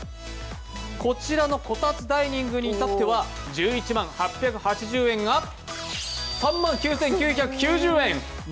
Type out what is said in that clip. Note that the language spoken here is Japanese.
こちらのコタツダイニングに至っては１１万８８０円が３万９９９０円に。